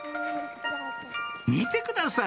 見てください